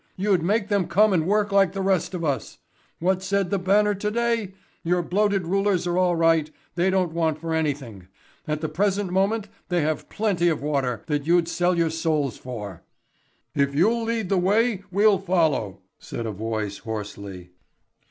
You'd make them come and work like the rest of us. What said the Banner to day? Your bloated rulers are all right; they don't want for anything. At the present moment they have plenty of the water that you'd sell your souls for." "If you'll lead the way, we'll follow," said a voice hoarsely.